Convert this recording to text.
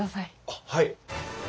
あっはい。